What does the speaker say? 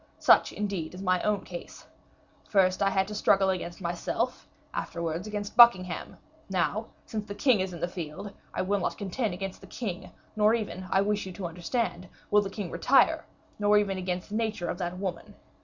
Such, indeed, is my own case: first, I had to struggle against myself; afterwards, against Buckingham; now, since the king is in the field, I will not contend against the king, nor even, I wish you to understand, will the king retire; nor even against the nature of that woman.